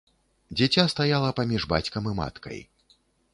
Дзіця стаяла паміж бацькам і маткай.